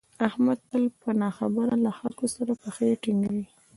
احمد تل په نه خبره له خلکو سره پښې ټینگوي.